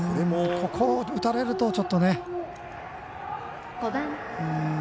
ここを打たれるとちょっとね。